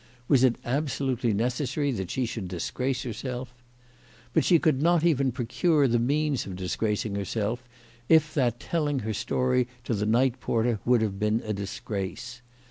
Was it absolutely necessary that she should disgrace herself ? But she could not even procure the means of dis gracing herself, if that telling her story to the night porter would have been a disgrace.